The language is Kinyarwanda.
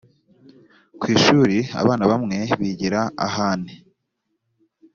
ku ishuri abana bamwe bigira ahane.